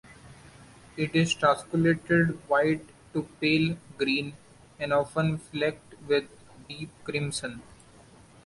It is translucent white to pale green and often flecked with deep crimson.